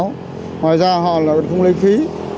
ngoài ra họ cũng không lây khí